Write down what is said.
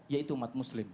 yaitu umat muslim